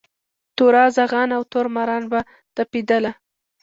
تور زاغان او تور ماران به تپېدله